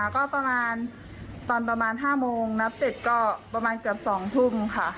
ก็ประมาณตอนประมาณ๕โมงนับเสร็จก็ประมาณเกือบ๒ทุ่มค่ะ